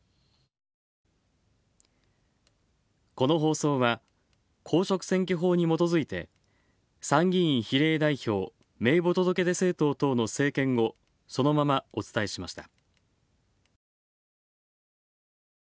この放送は、公職選挙法にもとづいて参議院比例代表名簿届出政党等の政見をそのままお伝えしました。